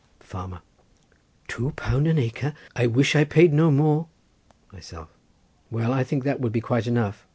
Farmer.—Two pound an acre! I wish I paid no more. Myself.—Well! I think that would be quite enough.